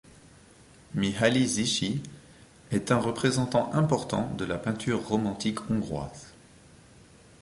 Mihály Zichy est un représentant important de la peinture romantique hongroise.